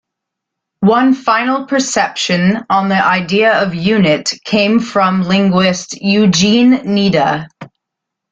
One final perception on the idea of "unit" came from linguist Eugene Nida.